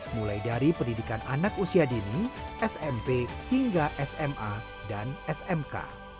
mulai dari pendidikan anak usia dini smp hingga sma dan smk